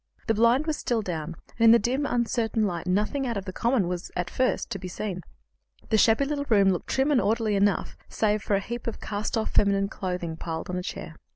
The blind was still down, and in the dim, uncertain light nothing out of the common was, at first, to be seen. The shabby little room looked trim and orderly enough, save for a heap of cast off feminine clothing piled upon a chair.